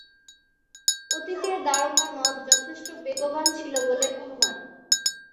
অতীতে দ্বারকা নদ যথেষ্ট বেগবান ছিল বলে অনুমান।